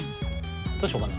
どうしようかな。